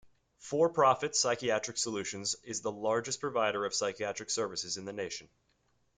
For profit Psychiatric Solutions is the largest provider of psychiatric services in the nation.